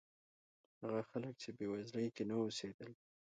هغه خلک چې بېوزلۍ کې نه اوسېدل.